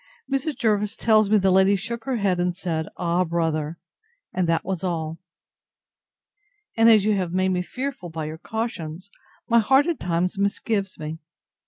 Mrs. Jervis tells me the lady shook her head, and said, Ah! brother! and that was all. And as you have made me fearful by your cautions, my heart at times misgives me.